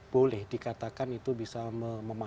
boleh dikatakan itu bisa memanfaatkan